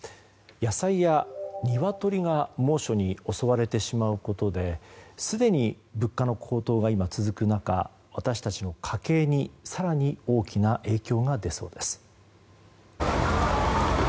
野菜やニワトリが猛暑に襲われてしまうことですでに物価の高騰が今、続く中私たちの家計に更に大きな影響が出そうです。